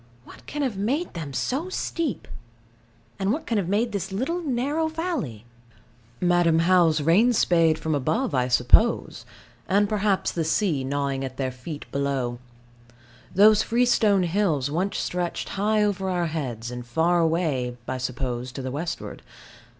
What can have made them so steep? And what can have made this little narrow valley? Madam How's rain spade from above, I suppose, and perhaps the sea gnawing at their feet below. Those freestone hills once stretched high over our heads, and far away, I suppose, to the westward.